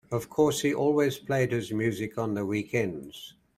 Of course, he always played his music on the weekends.